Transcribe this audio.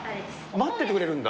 待っててくれるんだ。